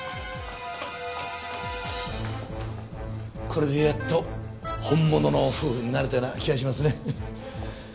これでやっと本物の夫婦になれたような気がしますね。